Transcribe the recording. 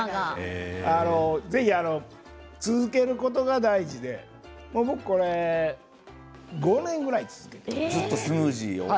ぜひ続けることが大事で僕これ５年ぐらい続けているんです。